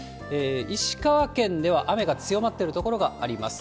石川県では雨が強まってる所があります。